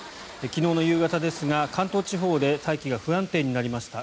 昨日の夕方ですが関東地方で大気が不安定になりました。